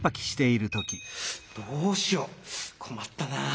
「どうしようこまったなぁ。